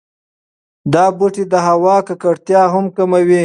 دا بوټي د هوا ککړتیا هم کموي.